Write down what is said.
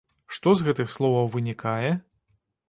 Што з гэтых словаў вынікае?